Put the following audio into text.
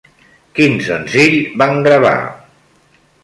Quin senzill van gravar?